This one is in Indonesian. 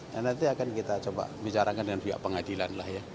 nah nanti akan kita coba bicarakan dengan pihak pengadilan lah ya